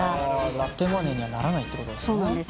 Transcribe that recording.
ラテマネーにはならないってことですね。